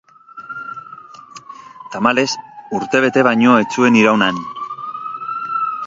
Tamalez urtebete baino ez zuen iraun han.